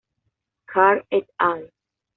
Carr "et al.